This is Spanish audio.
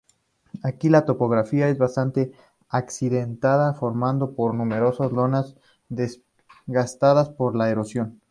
Aquí, la topografía es bastante accidentada, formada por numerosas lomas desgastadas por la erosión.